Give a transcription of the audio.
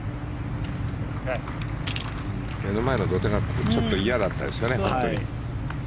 目の前の土手がちょっと嫌だったですかね。